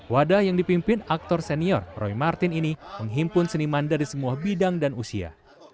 wadah yang dipimpin aktor senior roy martin ini menghimpun seniman dari semua bidang dan usia